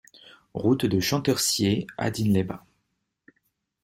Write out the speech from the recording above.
Route de Champtercier à Digne-les-Bains